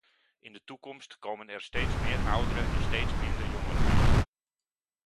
In de toekomst komen er steeds meer oudere en steeds minder jongere mensen.